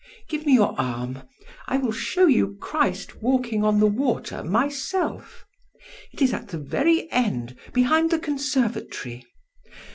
Give me your arm; I will show you 'Christ Walking on the Water' myself; it is at the very end, behind the conservatory.